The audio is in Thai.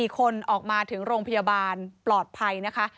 ๔คนออกมาถึงโรงพยาบาลปลอดภัยนะคะ